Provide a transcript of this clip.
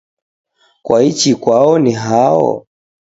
Kwaichi kwao ni hao?